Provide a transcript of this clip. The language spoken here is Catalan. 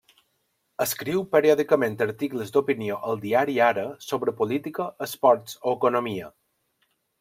Escriu periòdicament articles d'opinió al diari Ara sobre política, esports o economia.